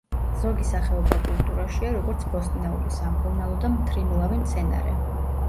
ზოგი სახეობა კულტურაშია, როგორც ბოსტნეული, სამკურნალო და მთრიმლავი მცენარე.